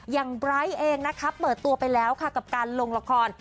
ยังไบร์ทวินดีกว่าเปิดตัวไปแล้วค่ะกับการลงละคร